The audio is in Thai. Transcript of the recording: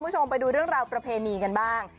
คุณผู้ชมไปดูเรื่องราวประเพณีกันบ้าง